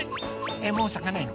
えっもうさかないの？